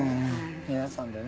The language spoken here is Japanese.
皆さんでね。